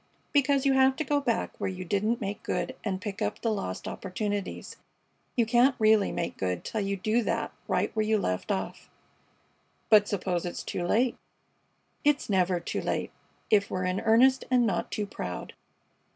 "Because you have to go back where you didn't make good and pick up the lost opportunities. You can't really make good till you do that right where you left off." "But suppose it's too late?" "It's never too late if we're in earnest and not too proud."